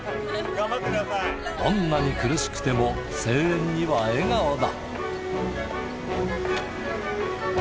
どんなに苦しくても声援には笑顔だ。